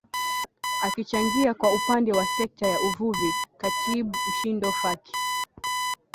Akichangia kwa upande wa sekta ya uvuvi Khatib Mshindo Faki